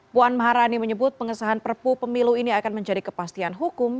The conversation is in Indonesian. puan maharani menyebut pengesahan perpu pemilu ini akan menjadi kepastian hukum